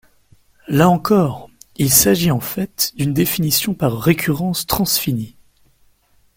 Là encore, il s'agit en fait d'une définition par récurrence transfinie.